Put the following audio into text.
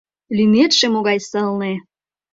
— Лӱметше могай сылне!